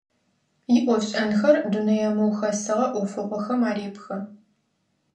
Иӏофшӏэнхэр дунэе мыухэсыгъэ ӏофыгъохэм арепхы.